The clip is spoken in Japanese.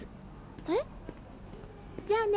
えっ？じゃあね。